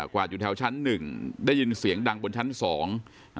วาดอยู่แถวชั้นหนึ่งได้ยินเสียงดังบนชั้นสองอ่า